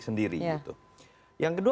sendiri yang kedua